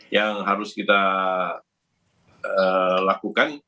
yang harus kita lakukan